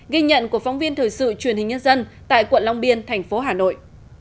ghi nhận của phóng viên thời sự truyền hình nhân dân tại quận long biên thành phố hà nội